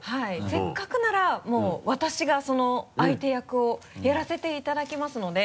せっかくならもう私がその相手役をやらせていただきますので。